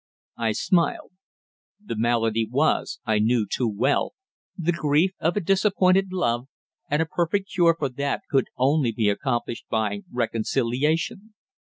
I smiled. The malady was, I knew too well, the grief of a disappointed love, and a perfect cure for that could only be accomplished by reconciliation.